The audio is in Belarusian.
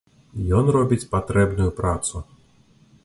Ён робіць патрэбную працу!